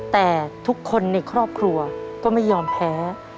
แต่ทุกคนในครอบครัวก็ไม่ยอมแพ้